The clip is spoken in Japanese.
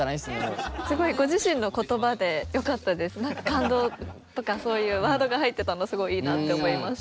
感動とかそういうワードが入ってたのすごいいいなって思いました。